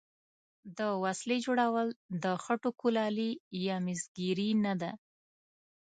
د وسلې جوړول د خټو کولالي یا مسګري نه ده.